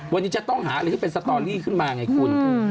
วันนี้จะต้องหาอะไรที่เป็นสตอรี่ขึ้นมาไงคุณ